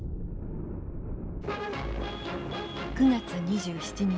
９月２７日。